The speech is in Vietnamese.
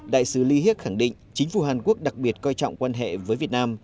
đại sứ ly hiếc khẳng định chính phủ hàn quốc đặc biệt coi trọng quan hệ với việt nam